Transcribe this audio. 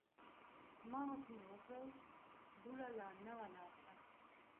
هماغسې مې وکړل، دوړه لا نه وه ناسته